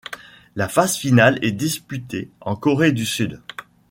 La phase finale est disputée en Corée du Sud.